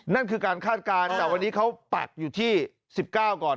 นั่นคือการคาดการณ์แต่วันนี้เขาปักอยู่ที่๑๙ก่อน